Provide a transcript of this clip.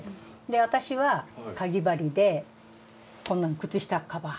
私はかぎ針でこんなん靴下カバー。